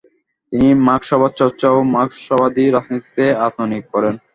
তিনি মার্কসবাদ চর্চা ও মার্কসবাদী রাজনীতিতে আত্মনিয়োগ করেন।